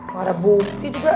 gak ada bukti juga